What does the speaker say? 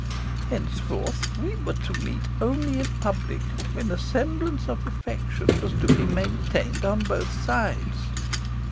Henceforth we were to meet only in public, when a semblance of affection was to be maintained on both sides.